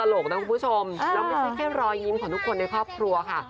น้องไม่แค่เหมื่อระวังคาดในครอบครัวค่ะ